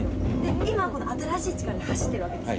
今この新しい力で走ってるわけですね。